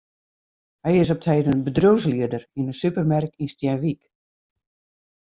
Hy is op 't heden bedriuwslieder yn in supermerk yn Stienwyk.